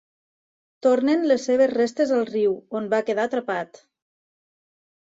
Tornen les seves restes al riu on va quedar atrapat.